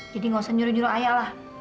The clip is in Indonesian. jadi gak usah nyuruh nyuruh ayah lah